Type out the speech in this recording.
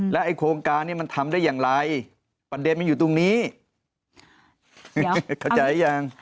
ไอ้โครงการนี้มันทำได้อย่างไรประเด็นมันอยู่ตรงนี้เข้าใจยัง